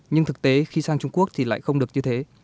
nhưng thực tế khi sang trung quốc thì lại không được như thế